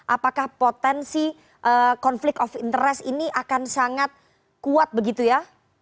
apakah potensi konflik of interest ini akan sangat kuat begitu ya